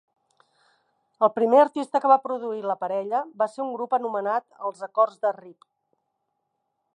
El primer artista que va produir la parella va ser un grup anomenat els acords de RIP.